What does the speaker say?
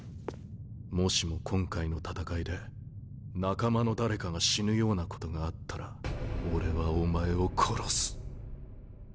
もしも今回の戦いで仲間の誰かが死ぬようなことがあったら俺はお前を殺す。